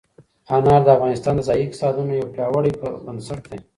انار د افغانستان د ځایي اقتصادونو یو پیاوړی بنسټ دی.